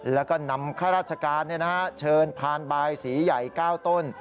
และนำข้ารัฐกาลเชิญผ่านบายสีใหญ่๙ต้น